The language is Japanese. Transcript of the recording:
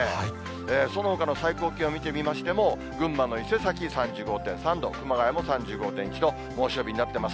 そのほかの最高気温見てみましても、群馬の伊勢崎３５．３度、熊谷も３５．１度、猛暑日になってます。